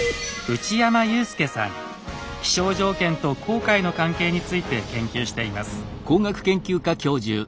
気象条件と航海の関係について研究しています。